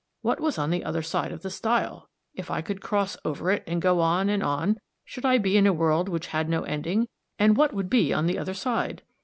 What was on the other side of the stile? If I could cross over it and go on and on should I be in a world which had no ending, and what would be on the other side?